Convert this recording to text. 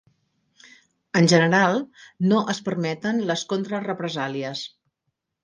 En general, no es permeten les contra-represàlies.